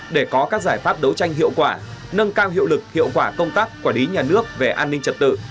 để có các giải pháp đấu tranh hiệu quả nâng cao hiệu lực hiệu quả công tác quản lý nhà nước về an ninh trật tự